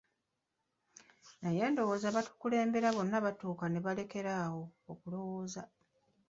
Naye ndowooza abatukulembera bonna batuuka ne balekera awo okulowooza.